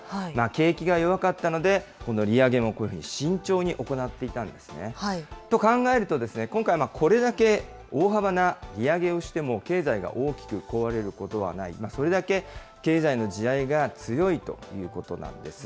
景気が弱かったので、この利上げもこういうふうに慎重に行っていたんですね。と考えると、今回、これだけ大幅な利上げをしても経済が大きく壊れることはない、それだけ経済の地合いが強いということなんです。